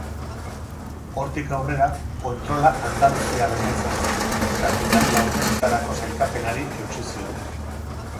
Hortik aurrera, kontrola andaluziarrena izan zen eta final laurdenetarako sailkapenari eutsi zioten.